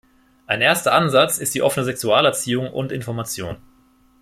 Ein erster Ansatz ist die offene Sexualerziehung und Information.